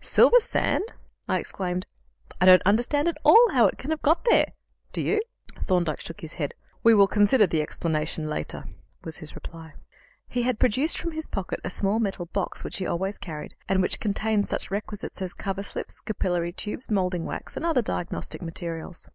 "Silver sand!" I exclaimed. "I don't understand at all how it can have got there. Do you?" Thorndyke shook his head. "We will consider the explanation later," was his reply. He had produced from his pocket a small metal box which he always carried, and which contained such requisites as cover slips, capillary tubes, moulding wax, and other "diagnostic materials."